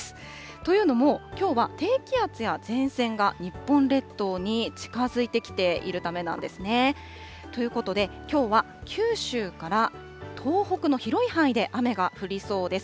というのも、きょうは低気圧や前線が日本列島に近づいてきているためなんですね。ということで、きょうは九州から東北の広い範囲で雨が降りそうです。